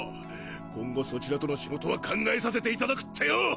今後そちらとの仕事は考えさせて頂くってよ！